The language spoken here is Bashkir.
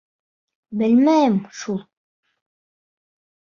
— Белмәйем шул...